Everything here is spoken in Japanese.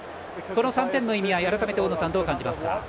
この３点の意味合い、大野さんどう感じますか。